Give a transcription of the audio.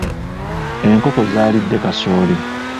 Enkoko zaalidde kasooli.